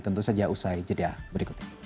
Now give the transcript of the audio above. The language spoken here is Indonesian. tentu saja usai jeda berikutnya